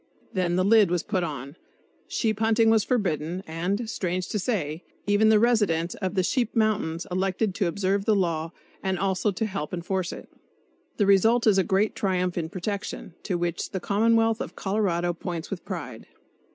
Then the lid was put on, sheep hunting was forbidden, and, strange to say, even the residents of the sheep mountains elected to observe the law, and also to help enforce it! The result is a great triumph in protection, to which the commonwealth of Colorado points with pride.